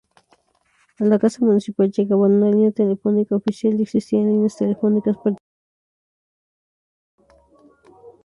A la Casa Municipal llegaban una línea telefónica oficial y existían líneas telefónicas particulares.